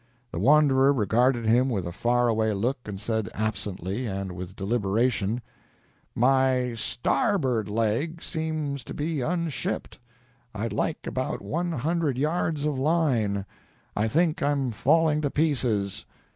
The wanderer regarded him with a far away look and said, absently, and with deliberation: "My starboard leg seems to be unshipped. I'd like about one hundred yards of line; I think I'm falling to pieces."